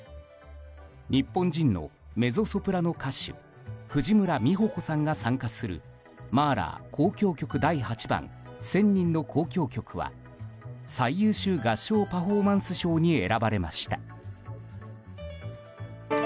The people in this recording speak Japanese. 日本人のメゾソプラノ歌手藤村実穂子さんが参加する「マーラー交響曲第８番“千人の交響曲”」は最優秀合唱パフォーマンス賞に選ばれました。